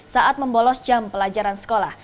saat membolos jam pelajaran sekolah